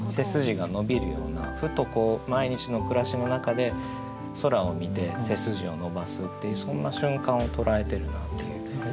ふと毎日の暮らしの中で空を見て背筋を伸ばすっていうそんな瞬間を捉えてるなっていう。